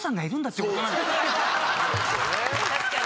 確かに。